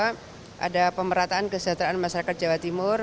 ada pemerataan kesejahteraan masyarakat jawa timur